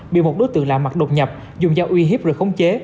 bị một đối tượng lạ mặt đột nhập dùng giao uy hiếp rồi không chế